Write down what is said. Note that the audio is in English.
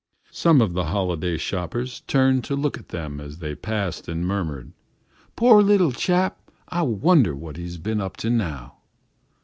Some of the holiday shoppers turned to look at them as they passed and murmured, "Poor little chap; I wonder what he's been up to now."